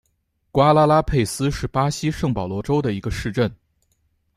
瓜拉拉佩斯是巴西圣保罗州的一个市镇。